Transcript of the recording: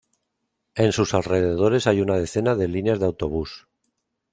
En sus alrededores hay una decena de líneas de autobús.